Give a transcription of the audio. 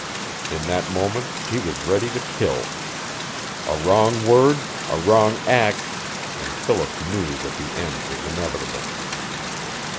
In that moment he was ready to kill. A wrong word, a wrong act, and Philip knew that the end was inevitable.